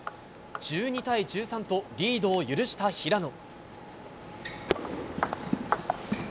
１２対１３とリードを許した平野。